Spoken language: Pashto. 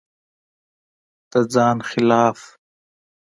د ځان خلاف